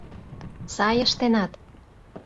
— Сай ыштенат!